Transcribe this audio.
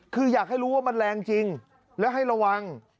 คืออยากให้รู้ว่ามันแรงจริงและให้ระวัง